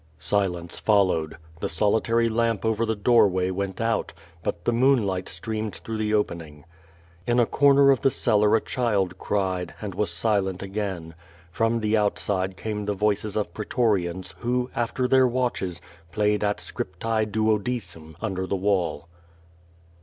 Silence followed; the solitary lamp over the doorway went out, but the moonlight streamed through the opening. In a comer of the cellar a cHild cried, and was silent again. From the outside came the voices of pretorians, who after their watehesy played at "Scriptae Duodecem/' under the wall.